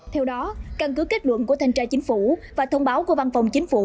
theo đó căn cứ kết luận của thanh tra chính phủ và thông báo của văn phòng chính phủ